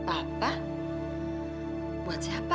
apa buat siapa